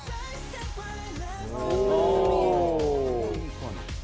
お！